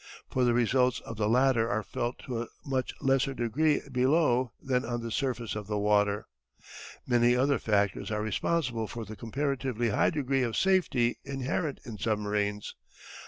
For the results of the latter are felt to a much lesser degree below than on the surface of the water. Many other factors are responsible for the comparatively high degree of safety inherent in submarines.